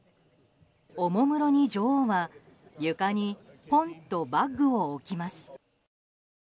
おもむろに女王は床にポンとバッグを置きます。